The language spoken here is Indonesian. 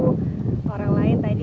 orang lain tadi